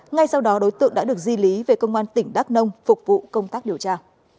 ngay sau đó đối tượng đã được di lý về công an tỉnh đắk nông phục vụ công tác điều tra